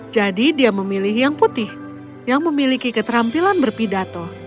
jadi dia memilih yang putih yang memiliki keterampilan berpidato